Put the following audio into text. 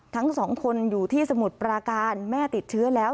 ทั้งสองคนอยู่ที่สมุทรปราการแม่ติดเชื้อแล้ว